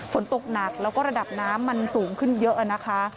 ฝนตกหนักแล้วก็ระดับน้ำมันสูงขึ้นเยอะนะคะ